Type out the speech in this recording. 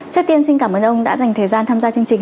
trước tiên xin cảm ơn ông đã dành thời gian tham gia chương trình